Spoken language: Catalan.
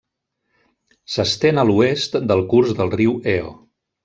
S'estén a l'oest del curs del riu Eo.